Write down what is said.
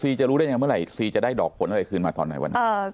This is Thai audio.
จะรู้ได้ยังไงเมื่อไหร่ซีจะได้ดอกผลอะไรคืนมาตอนไหนวันนั้น